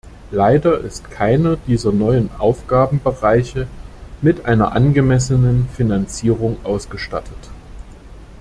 Leider ist keiner dieser neuen Aufgabenbereiche mit einer angemessenen Finanzierung ausgestattet.